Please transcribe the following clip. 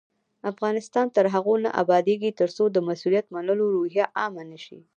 افغانستان تر هغو نه ابادیږي، ترڅو د مسؤلیت منلو روحیه عامه نشي.